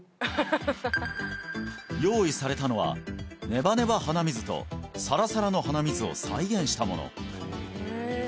用意されたのはネバネバ鼻水とサラサラの鼻水を再現したもの